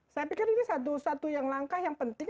saya pikir ini satu satu yang langkah yang penting